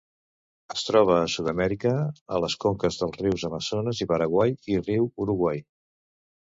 Es troba a Sud-amèrica, a les conques dels rius Amazones i Paraguai, i riu Uruguai.